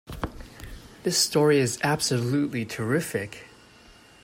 This story is absolutely terrific!